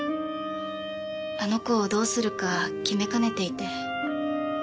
あの子をどうするか決めかねていて。